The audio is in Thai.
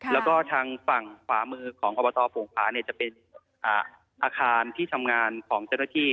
แล้วก็ทางฝั่งขวามือของอบตโป่งผาเนี่ยจะเป็นอาคารที่ทำงานของเจ้าหน้าที่